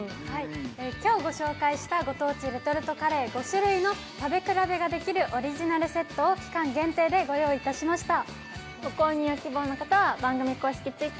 今日ご紹介したご当地レトルトカレー５種類の食べ比べができるオリジナルセットを期間限定でご用意しました。